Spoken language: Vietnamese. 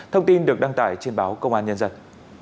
thông tin được đăng tải trên báo công an nhân dân